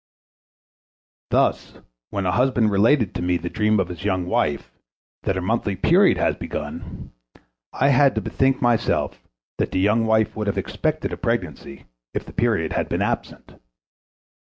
Thus, when a husband related to me the dream of his young wife, that her monthly period had begun, I had to bethink myself that the young wife would have expected a pregnancy if the period had been absent.